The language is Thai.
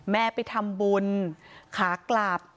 แม่ไปทำบุญขากลับ